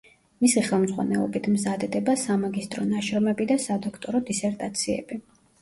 მისი ხელმძღვანელობით მზადდება სამაგისტრო ნაშრომები და სადოქტორო დისერტაციები.